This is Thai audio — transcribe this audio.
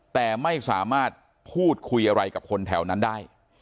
แต่ไม่สามารถพูดคุยอะไรกับคนแถวนั้นได้